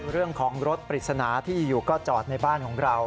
เรื่องของรถปริศนาที่อยู่ก็จอดในบ้านของเรา